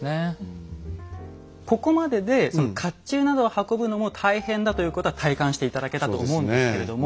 ここまででその甲冑などを運ぶのも大変だということは体感して頂けたと思うんですけれども。